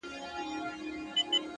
د زاړه عکس څنډې تل لږ تاو وي،